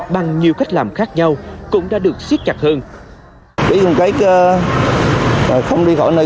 bằng nhiều cách làm khác nhau cũng đã được siết chặt hơn